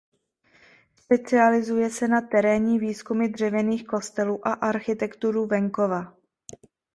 Specializuje se na terénní výzkumy dřevěných kostelů a architekturu venkova.